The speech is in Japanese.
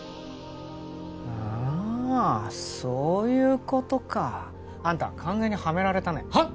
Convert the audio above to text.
ああそういうことかあんた完全にハメられたねはっ？